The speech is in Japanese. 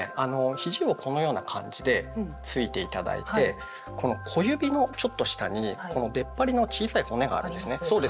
ひじをこのような感じでついて頂いてこの小指のちょっと下にこの出っ張りの小さい骨があるんですね。あります。